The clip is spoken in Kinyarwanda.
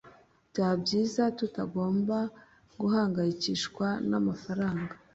byaba byiza tutagomba guhangayikishwa namafaranga